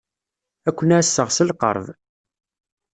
Ad ken-ɛasseɣ s lqerb.